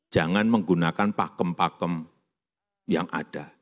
jangan menggunakan pakem pakem yang ada